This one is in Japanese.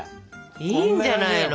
いいんじゃないの？